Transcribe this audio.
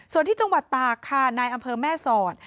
ส่วนที่จังหวัดตากค่ะนายอันเพิร์นแม่สอด